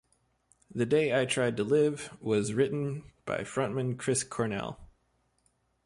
"The Day I Tried to Live" was written by frontman Chris Cornell.